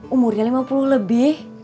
umurnya lima puluh lebih